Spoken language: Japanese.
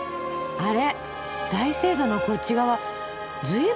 あれ？